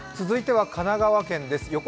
続いては神奈川県です。